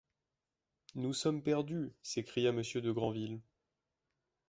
Nous sommes perdus! s’écria monsieur de Grandville.